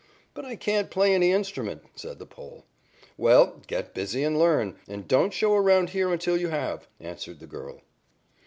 "'But I can't play any instrument,' said the Pole. "'Well, get busy and learn, and don't show around here until you have,' answered the girl.